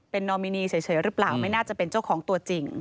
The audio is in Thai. เป็นนอมินีเฉยหรือเปล่าไม่น่าจะเป็นเจ้าของตัวจริง